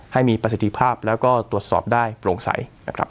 ให้มีประสิทธิภาพแล้วก็ตรวจสอบได้โปร่งใสนะครับ